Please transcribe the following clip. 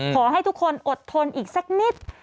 ขอให้ทุกคนอดทนอีกสักนิด